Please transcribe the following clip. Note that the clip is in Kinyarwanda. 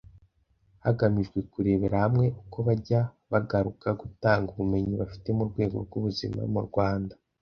hagamijwe kurebera hamwe uko bajya bagaruka gutanga ubumenyi bafite mu rwego rw’ubuzima mu Rwanda